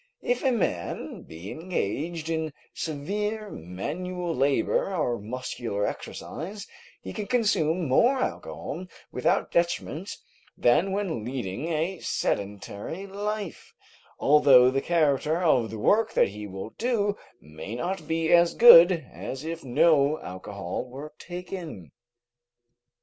If a man be engaged in severe manual labor or muscular exercise, he can consume more alcohol without detriment than when leading a sedentary life, although the character of the work that he will do may not be as good as if no alcohol were taken.